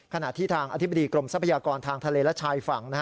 ขณะที่ทางอธิบดีกรมทรัพยากรทางทะเลและชายฝั่ง